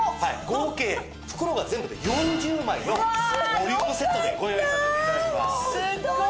合計袋が全部で４０枚のボリュームセットでご用意させて頂きます。